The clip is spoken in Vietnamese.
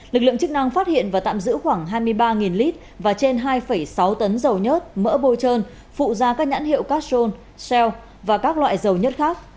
lực lượng chức năng phát hiện và tạm giữ khoảng hai mươi ba lít và trên hai sáu tấn dầu nhớt mỡ bôi trơn phụ da các nhãn hiệu cachon shell và các loại dầu nhớt khác